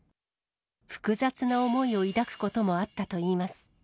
複雑な思いを抱くこともあったといいます。